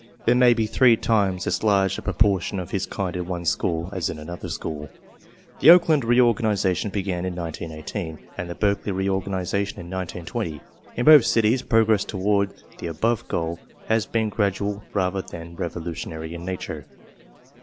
There may be three times as large a proportion of his kind in one school as in another school. The Oakland reorganization began in 1918, and the J CLASSIFICATION BY MENTAL ABILITY 35 reorganization in 1 920.J I n both cities prog ress toward the above goal has been gradual rather than revolutionary in nature.